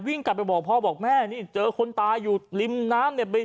วิ่งกลับไปบอกพ่อบอกแม่นี่เจอคนตายอยู่ริมน้ำเนี่ย